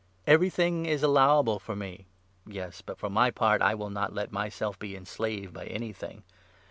Everything is allowable the Body. for me i Yes, but for my part, I will not let myself be enslaved by anything.